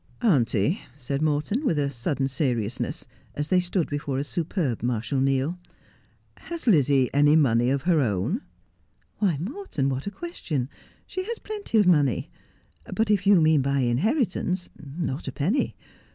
' Auntie,' said Morton, with sudden seriousness, as they stood before a superb Marshal Neil, 'has Lizzie any money of her own 1 '' Why, Morton, what a question ! She has plenty of money : but if you mean by inheritance, not a penny.